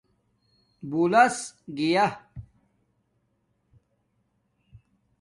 بولاس گیا